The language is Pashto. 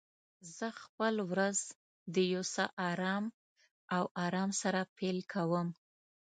زه خپل ورځ د یو څه آرام او آرام سره پیل کوم.